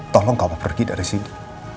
tolong kamu pergi dari sini